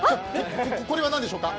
これは何でしょうか？